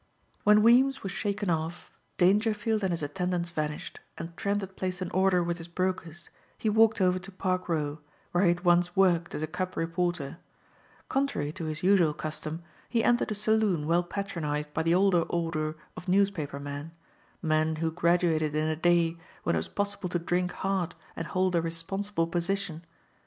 When Weems was shaken off, Dangerfield and his attendants vanished, and Trent had placed an order with his brokers he walked over to Park Row, where he had once worked as a cub reporter. Contrary to his usual custom, he entered a saloon well patronized by the older order of newspapermen, men who graduated in a day when it was possible to drink hard and hold a responsible position.